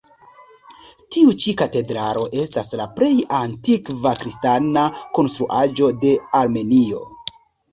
Tiu ĉi katedralo estas la plej antikva kristana konstruaĵo de Armenio.